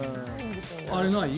あれない？